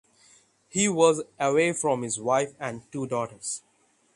He was away from his wife and two daughters.